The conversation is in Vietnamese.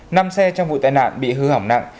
năm xe trong vụ tai nạn bị hư hỏng nặng